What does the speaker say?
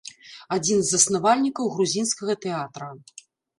Адзін з заснавальнікаў грузінскага тэатра.